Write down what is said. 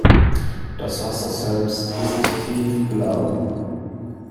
Das Wasser selbst ist tiefblau.